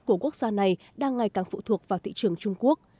của quốc gia này đang ngày càng phụ thuộc vào thị trường trung quốc